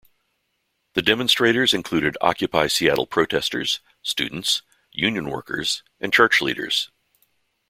The demonstrators included Occupy Seattle protesters, students, union workers, and church leaders.